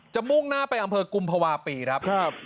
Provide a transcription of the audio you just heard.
มุ่งหน้าไปอำเภอกุมภาวะปีครับ